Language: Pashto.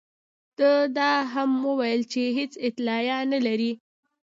ده دا هم وویل چې هېڅ اطلاع نه لري.